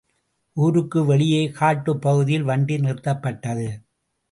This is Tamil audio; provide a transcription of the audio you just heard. ஊருக்கு வெளியே காட்டுப் பகுதியில் வண்டி நிறுத்தப்பட்டது.